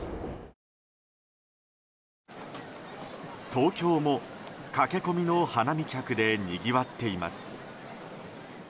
東京も駆け込みの花見客でにぎわっています。